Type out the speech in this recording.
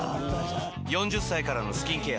４０歳からのスキンケア